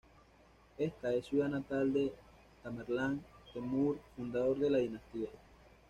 Esta es ciudad natal de Tamerlán, Temür, fundador de la dinastía.